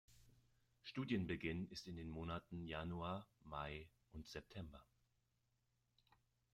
Studienbeginn ist in den Monaten Januar, Mai und September.